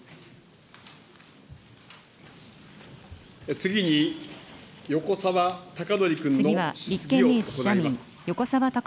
次に、横沢高徳君の質疑を行います。